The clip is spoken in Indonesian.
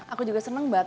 aku juga seneng banget